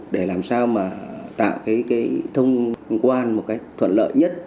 để làm sao mà tạo cái thông quan một cách thuận lợi nhất